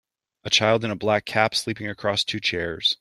A child in a black cap sleeping across two chairs.